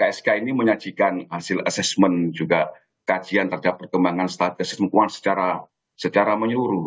jadi ksk ini menyajikan hasil assessment juga kajian terhadap perkembangan stabilitas keuangan secara menyeluruh